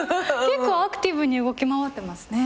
結構アクティブに動き回ってますね。